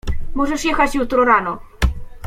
Możesz jechać jutro rano.